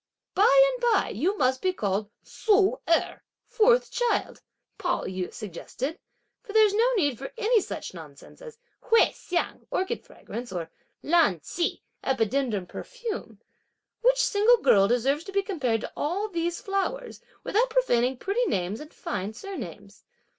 "By and by you must be called Ssu Erh, (fourth child)," Pao yü suggested, "for there's no need for any such nonsense as Hui Hsiang (orchid fragrance) or Lan Ch'i (epidendrum perfume.) Which single girl deserves to be compared to all these flowers, without profaning pretty names and fine surnames!"